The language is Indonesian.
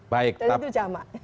dan itu jama